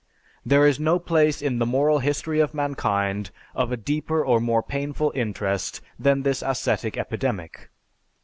"There is no place in the moral history of mankind of a deeper or more painful interest than this ascetic epidemic.